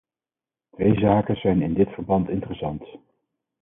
Twee zaken zijn in dit verband interessant.